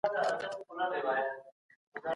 ايا اسلام د ټولي نړۍ له پاره د رحمت دين دی؟